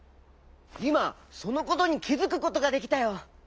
いまそのことにきづくことができたよ。